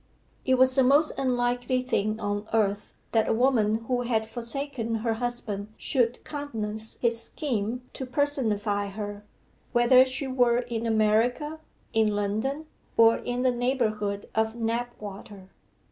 It was the most unlikely thing on earth that a woman who had forsaken her husband should countenance his scheme to personify her whether she were in America, in London, or in the neighbourhood of Knapwater.